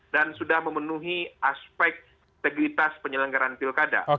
dan sudah memenuhi aspek integritas penyelenggaraan pilkada